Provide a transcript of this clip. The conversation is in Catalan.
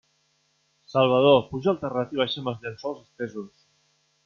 Salvador, puja al terrat i baixa'm els llençols estesos!